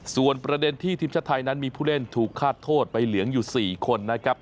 ส่วนประเด็นที่ทีมชาติไทยนั้นมีผู้เล่นถูกฆาตโทษไปเหลืองอยู่๔คนนะครับ